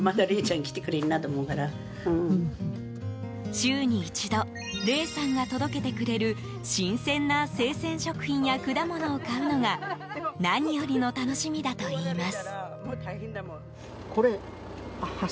週に一度玲さんが届けてくれる新鮮な生鮮食品や果物を買うのが何よりの楽しみだといいます。